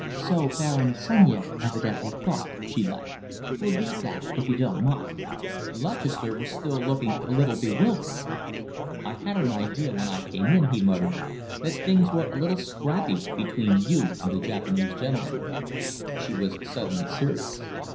"So Baron Sunyea evidently thought," she laughed. "We'll leave that, if you don't mind." Lutchester was still looking a little bewildered. "I had an idea when I came in," he muttered, "that things were a little scrappy between you and the Japanese gentleman." She was suddenly serious.